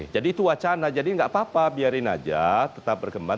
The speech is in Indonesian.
jadi itu wacana jadi tidak apa apa biarkan saja tetap berkembang